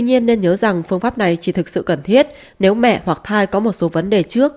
tuy nhiên nên nhớ rằng phương pháp này chỉ thực sự cần thiết nếu mẹ hoặc thai có một số vấn đề trước